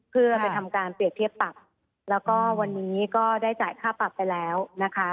เพื่อไปทำการเปรียบเทียบปรับแล้วก็วันนี้ก็ได้จ่ายค่าปรับไปแล้วนะคะ